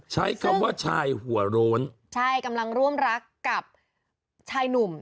ใช้คำว่าชายหัวโร้นใช่กำลังร่วมรักกับชายหนุ่ม